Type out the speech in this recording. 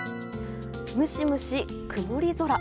ムシムシ、曇り空。